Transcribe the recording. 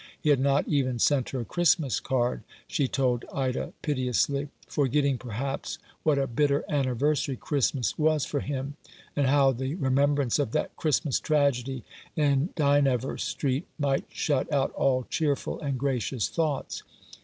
He had not even sent her a Christmas card, she told Ida piteously, forgetting, perhaps, what a bitter anniversary Christmas was for him, and how the remem brance of that Christmas tragedy in Dynevor Street might shut out all cheerful and gracious thoughts.